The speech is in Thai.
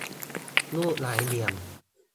รูปหลายเหลี่ยม